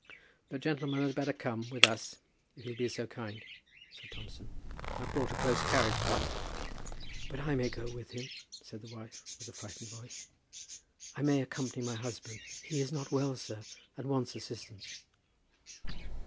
"The gentleman had better come with us if he'll be so kind," said Thompson. "I've brought a close carriage for him." "But I may go with him?" said the wife, with frightened voice. "I may accompany my husband. He is not well, sir, and wants assistance."